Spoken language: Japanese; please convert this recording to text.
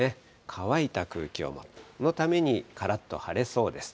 乾いた空気を持って、このためにからっと晴れそうです。